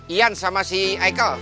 ian sama si aikel